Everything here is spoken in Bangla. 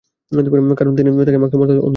কারণ তিনি তাকে মাকতুম অর্থাৎ অন্ধ জন্ম দিয়েছেন।